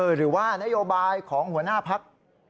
หรือว่านโยบายของหัวหน้าพัก